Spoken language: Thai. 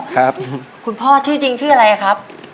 คุณพ่อชื่อจริงชื่ออะไรครับ